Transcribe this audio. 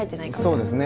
そうですね。